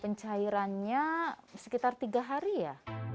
pencairannya sekitar tiga hari ya